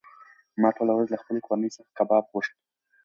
ما ټوله ورځ له خپلې کورنۍ څخه کباب غوښت.